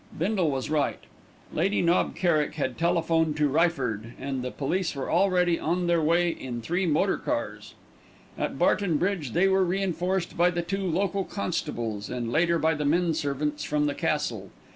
Bindle was right. Lady Knob Kerrick had telephoned to Ryford, and the police were already on their way in three motor cars. At Barton Bridge they were reinforced by the two local constables and later by the men servants from the Castle.